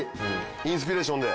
インスピレーションで。